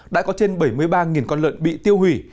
đã có trên bảy mươi ba con lợn bị tiêu hủy